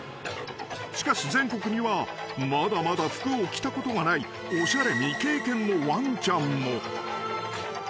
［しかし全国にはまだまだ服を着たことがないおしゃれ未経験のワンチャンも］